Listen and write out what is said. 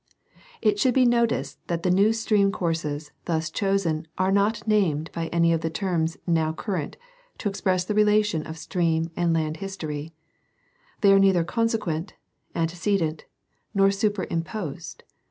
It should be noticed that the new stream courses thus chosen are not named by any of the terms now current to express the relation of stream and land his tory ; they ai e neither consequent, antecedent nor superimposed.